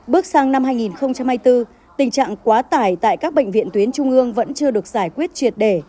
bước sang năm hai nghìn hai mươi bốn tình trạng quá tải tại các bệnh viện tuyến trung ương vẫn chưa được giải quyết triệt đề